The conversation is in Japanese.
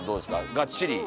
がっちり？